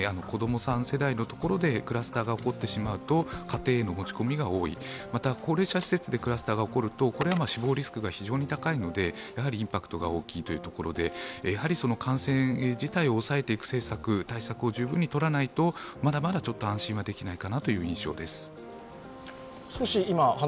子供さん世代のところでクラスターが起こってしまうと家庭への持ち込みが多い、また高齢者施設でクラスターが起こるとこれは死亡リスクが非常に高いので、インパクトが大きいというところで感染自体を抑えていく政策、対策を十分にとらないとまだまだ安心はできないかなという感じです。